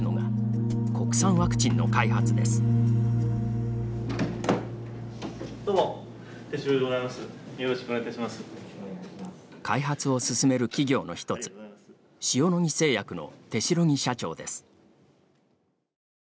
開発を進める企業の一つ塩野義製薬の手代木社長です。